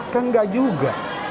kan gak juga